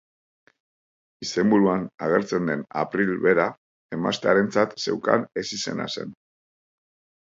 Izenburuan agertzen den April bera, emaztearentzat zeukan ezizena zen.